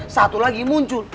satu lagi muncul